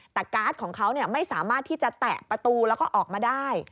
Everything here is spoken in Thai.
แต่การ์ดของเขาไม่สามารถที่จะแตะประตูแล้วก็ออกมาได้